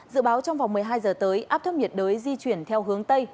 dự báo trong vòng một mươi hai giờ tới áp thấp nhiệt đới di chuyển theo hướng tây